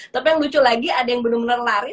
tapi yang lucu lagi ada yang bener bener lari